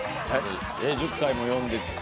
１０回も呼んで。